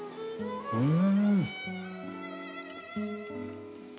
うん。